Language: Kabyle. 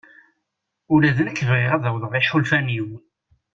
Ula d nekk bɣiɣ ad awḍeɣ iḥulfan-iw.